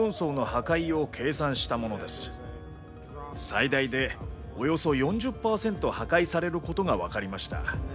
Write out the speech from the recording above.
最大でおよそ４０％破壊されることが分かりました。